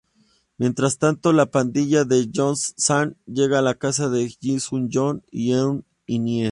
Mientras tanto, la pandilla de Joong-sang llega a la casa de Hyun-soo y Eun-hye.